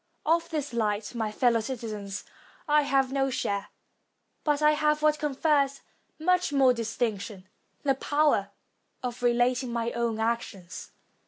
Of this light, my fellow citizens, I have no share, but I have what confers much more distinction, the power of relating my own actions.